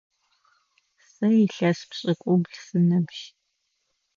Сэ илъэс пшӏыкӏубл сыныбжь.